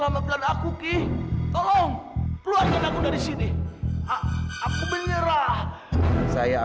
makanannya aku taruh disini ya